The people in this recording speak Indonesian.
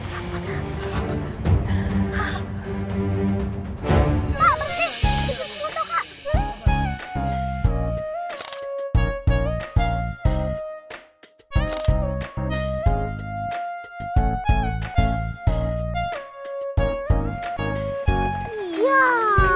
selamat selamat selamat